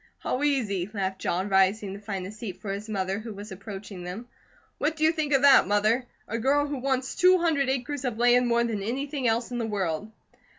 "How easy!" laughed John, rising to find a seat for his mother who was approaching them. "What do you think of that, Mother? A girl who wants two hundred acres of land more than anything else in the world."